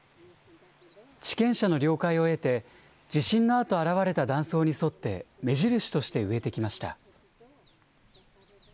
地権者の了解を得て、地震のあと現れた断層に沿って、目印として植えてきました。